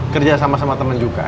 kerja sama sama teman juga